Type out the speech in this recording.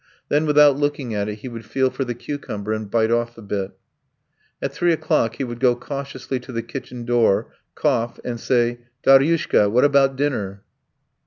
Then without looking at it he would feel for the cucumber and bite off a bit. At three o'clock he would go cautiously to the kitchen door; cough, and say, "Daryushka, what about dinner?